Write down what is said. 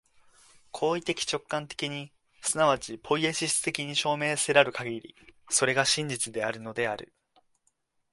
行為的直観的に即ちポイエシス的に証明せられるかぎり、それが真であるのである。